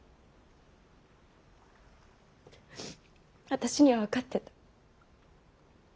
私には分かってた。